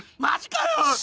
マジかよ！